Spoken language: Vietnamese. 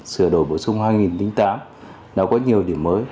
sửa đổi bổ sung hai nghìn tám là có nhiều điểm mới